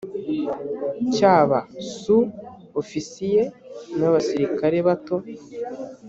cy aba su ofisiye n abasirikare bato